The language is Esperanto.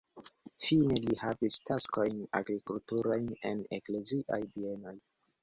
Fine li havis taskojn agrikulturajn en ekleziaj bienoj.